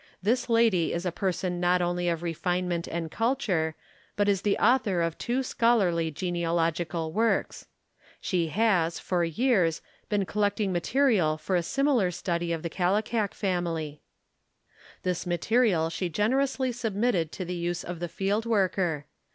This lady is a person not only of refinement and culture but is the author of two scholarly genealogical works. She has, for years, been collecting material for a similar study of the Kallikak family. This material she generously submitted to the use of the field worker.